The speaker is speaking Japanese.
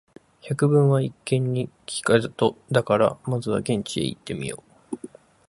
「百聞は一見に如かず」だから、まずは現地へ行ってみよう。